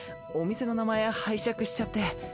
お店の名前拝借しちゃって。